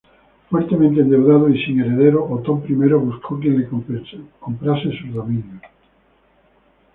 Fuertemente endeudado y sin heredero, Otón I buscó quien le comprase sus dominios.